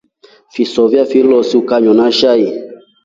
Fisoya fifloso ikanywa na shai.